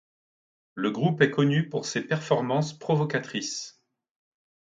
Le groupe est connu pour ses performances provocatrices.